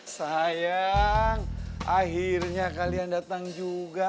sayang akhirnya kalian datang juga